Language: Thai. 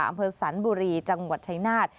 อำเภอสันบุรีจังหวัดชายนาฏ